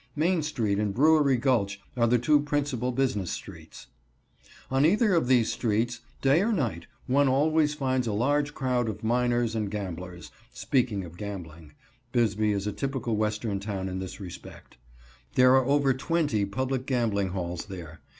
Main street and Brewery Gulch are the two principal business streets. On either of these streets, day or night, one always finds a large crowd of miners and gamblers speaking of gambling, Bisbee is a typical Western town in this respect. There are over twenty public gambling halls there.